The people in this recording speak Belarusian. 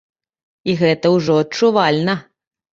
І гэта ўжо адчувальна.